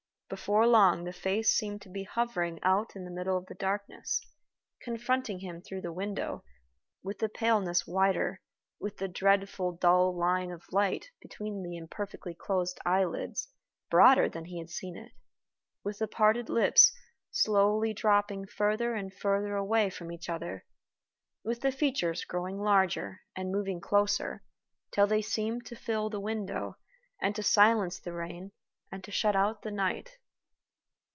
Before long the face seemed to be hovering out in the middle of the darkness, confronting him through the window, with the paleness whiter with the dreadful dull line of light between the imperfectly closed eyelids broader than he had seen it with the parted lips slowly dropping further and further away from each other with the features growing larger and moving closer, till they seemed to fill the window, and to silence the rain, and to shut out the night.